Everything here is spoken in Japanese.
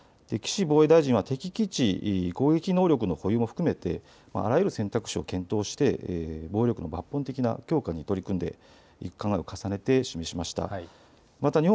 岸防衛大臣は敵基地攻撃能力の保有も含めてあらゆる選択肢を検討して防衛力の抜本的な強化に取り組んでいく考えを重ねて示しました。